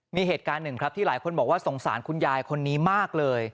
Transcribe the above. มีเหตุการณ์หนึ่งครับที่หลายคนบอกว่าสงสารคุณยายคนนี้มากเลย